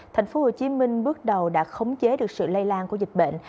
tp hcm bước đầu đã khống chế được sự lây lan của dịch bệnh